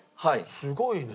すごいね。